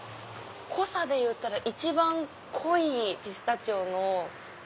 濃さでいったら一番濃いピスタチオの。